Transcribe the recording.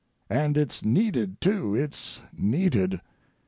And it's needed, too—it's needed.